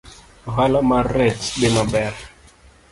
Ohala mar rech dhi maber